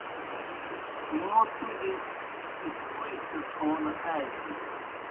موں تُوْ دیْ اِسکوئی سِڇھون آلیْ نِس۔۔